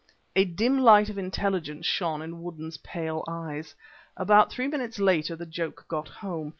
A dim light of intelligence shone in Woodden's pale eyes. About three minutes later the joke got home.